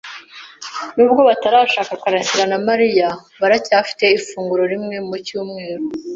Nubwo batarashaka, karasira na Mariya baracyafite ifunguro rimwe mu cyumweru.